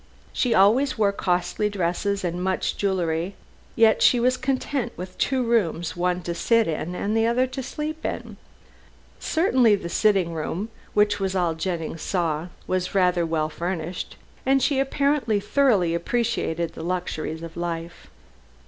She always wore costly dresses and much jewellery, yet she was content with two rooms, one to sit in and the other to sleep in. Certainly the sitting room (which was all Jennings saw) was well furnished, and she apparently thoroughly appreciated the luxuries of life.